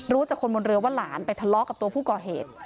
จากคนบนเรือว่าหลานไปทะเลาะกับตัวผู้ก่อเหตุ